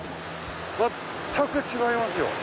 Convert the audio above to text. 全く違いますよ。